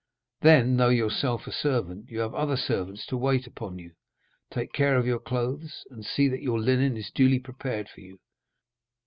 Then, though yourself a servant, you have other servants to wait upon you, take care of your clothes, and see that your linen is duly prepared for you.